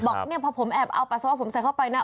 บอกเนี่ยพอผมแอบเอาปัสสาวะผมใส่เข้าไปนะ